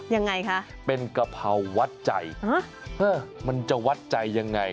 ยังไงคะเป็นกะเพราวัดใจมันจะวัดใจยังไง